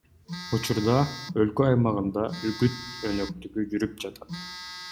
Учурда өлкө аймагында үгүт өнөктүгү жүрүп жатат.